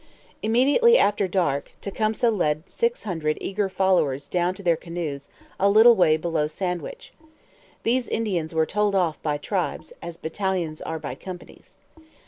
Immediately after dark Tecumseh led six hundred eager followers down to their canoes a little way below Sandwich. These Indians were told off by tribes, as battalions are by companies.